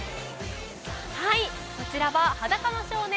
こちらは「♯裸の少年」